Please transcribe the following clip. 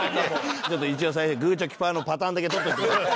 ちょっと一応最後グーチョキパーのパターンだけ撮っといてもらって。